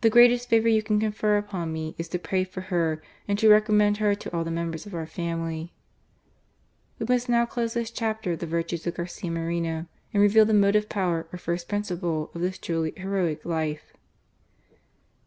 The greatest favour you can confer upon me, is to pray for her and to recommend her to all the members of our family." THE TRUE CHRISTIAN. 267 We must now close this chapter of the virtues of Garcia Moreno, and reveal the motive power or first principle of this truly heroic life.